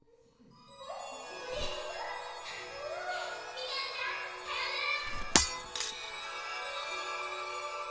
みかんちゃんさよなら！